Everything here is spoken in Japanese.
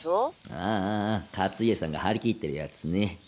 ああ勝家さんが張り切ってるやつね。